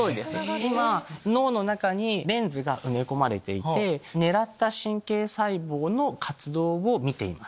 今脳の中にレンズが埋め込まれていて狙った神経細胞の活動を見ています。